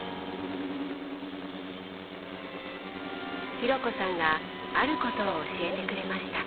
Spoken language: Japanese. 紘子さんがあることを教えてくれました。